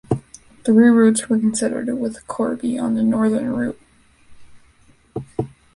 Three routes were considered, with Corby on the northern route.